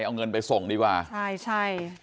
เอาเงินไปส่งดีกว่าใช่ใช่